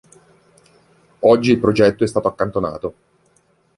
Oggi il progetto è stato accantonato.